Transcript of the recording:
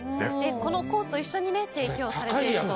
このコースと一緒に提供されると。